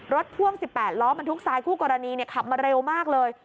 พ่วง๑๘ล้อบรรทุกทรายคู่กรณีขับมาเร็วมากเลย